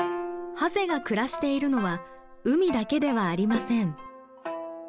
ハゼが暮らしているのは海だけではありません。